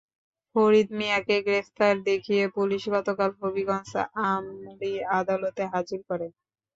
ফরিদ মিয়াকে গ্রেপ্তার দেখিয়ে পুলিশ গতকাল হবিগঞ্জ আমলি আদালতে হাজির করে।